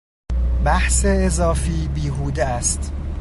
بحث اضافی بیهوده است.